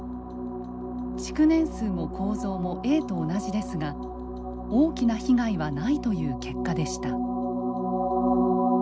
築年数も構造もＡと同じですが大きな被害はないという結果でした。